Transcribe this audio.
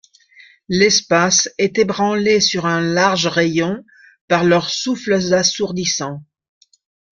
L’espace est ébranlé sur un large rayon par leurs souffles assourdissants.